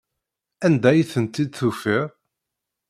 Anda ay tent-id-tufiḍ?